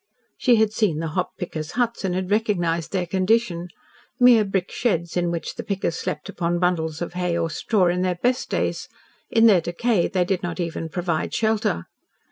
She had seen the hop pickers' huts and had recognised their condition. Mere brick sheds in which the pickers slept upon bundles of hay or straw in their best days; in their decay they did not even provide shelter.